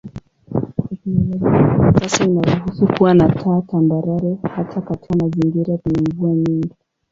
Teknolojia ya kisasa inaruhusu kuwa na taa tambarare hata katika mazingira penye mvua nyingi.